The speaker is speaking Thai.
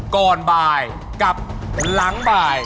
ก่อนบ่ายกับหลังบ่าย